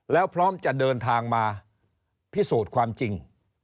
แล้วพร้อมจะเดินทางมาพิสูจน์ความจริง